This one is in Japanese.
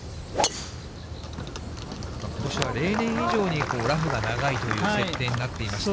ことしは例年以上に、ラフが長いという設定になっていました。